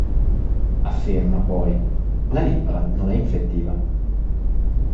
Afferma poi: "La lebbra non è infettiva.